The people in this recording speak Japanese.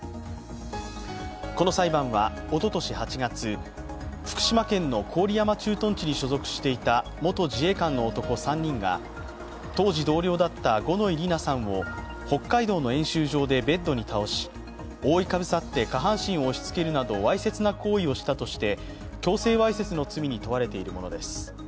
この裁判は、おととし８月、福島県の郡山駐屯地に所属していた元自衛官の男５人が当時同僚だった五ノ井里奈さんを北海道の演習場でベッドに倒し、覆いかぶさって下半身を押しつけるなどわいせつな行為をしたとして強制わいせつの罪に問われているものです。